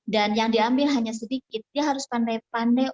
dan yang diambil hanya sedikit dia harus pandai pandai